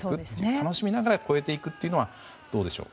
楽しみながら超えていくのはどうでしょう。